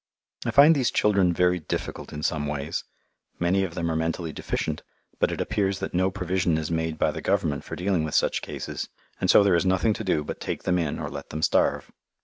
I find these children very difficult in some ways; many of them are mentally deficient, but it appears that no provision is made by the Government for dealing with such cases, and so there is nothing to do but take them in or let them starve.